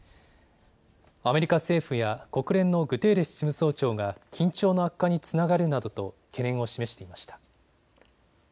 アメリカ政府や国連のグテーレス事務総長が緊張の悪化につながるなどと懸念を示していました。